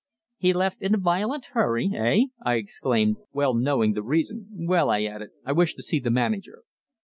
"He left in a violent hurry eh?" I exclaimed, well knowing the reason. "Well," I added, "I wish to see the manager."